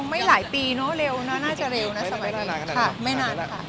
ไม่หลายปีเนอะเร็วเนอะน่าจะเร็วนะสมัยก่อนค่ะไม่นานค่ะ